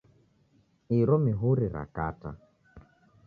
Iro mihuri rakata